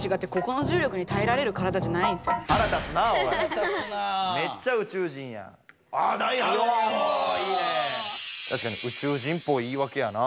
たしかに宇宙人ぽい言い訳やな。